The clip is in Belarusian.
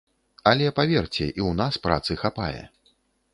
Але паверце, і ў нас працы хапае.